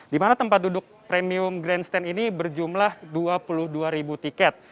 di mana tempat duduk premium grandstand ini berjumlah dua puluh dua ribu tiket